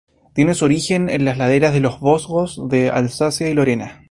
Tiene su origen en las laderas de los Vosgos en Alsacia y Lorena.